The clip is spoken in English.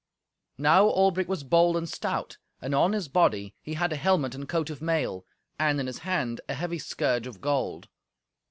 Now Albric was bold and stout, and on his body he had a helmet and coat of mail, and in his hand a heavy scourge of gold.